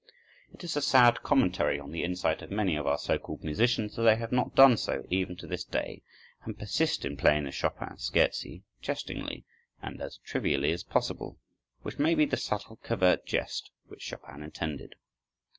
It is a sad commentary on the insight of many of our so called musicians, that they have not done so even to this day, and persist in playing the Chopin scherzi jestingly and as trivially as possible, which may be the subtle, covert jest which Chopin intended.